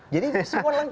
jadi semua lengkap dong